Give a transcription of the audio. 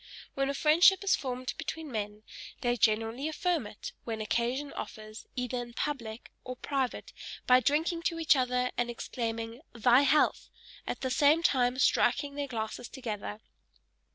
When a friendship is formed between men, they generally affirm it, when occasion offers, either in public or private, by drinking to each other and exclaiming, "thy health," at the same time striking their glasses together.